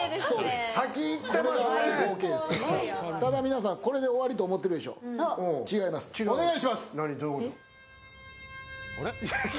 ただ皆さんこれで終わりと思ってるでしょ、違います、お願いします！